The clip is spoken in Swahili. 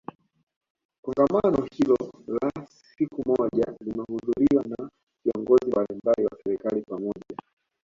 Kongamano hilo la siku moja limehudhuriwa na viongozi mbalimbali wa serikali pamoja